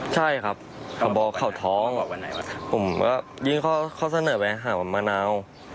ใช่ครับข้าวบ่อข่าวท้องผมก็ยิ่งเขาเสนอไปหาวันมะนาว